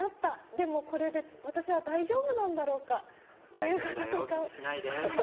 でも、これで私は大丈夫なんだろうかということとか。